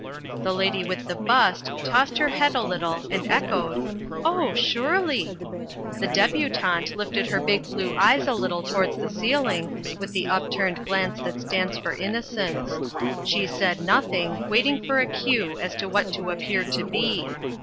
The Lady with the Bust tossed her head a little and echoed, "Oh, surely!" The Debutante lifted her big blue eyes a little towards the ceiling, with the upward glance that stands for innocence. She said nothing, waiting for a cue as to what to appear to be.